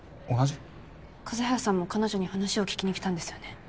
風早さんも彼女に話を聞きに来たんですよね？